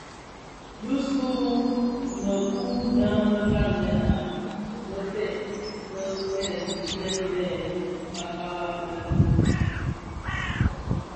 Bisu u mekuu deň më vasèn a bëfeeg bë kè dhiyilèn bè kalag lè,